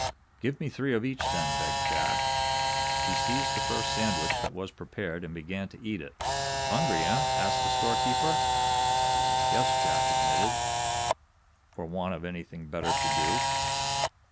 "Give me three of each, then," begged Jack. He seized the first sandwich that was prepared and began to eat it. "Hungry, eh!" asked the storekeeper. "Yes," Jack admitted; "for want of anything better to do."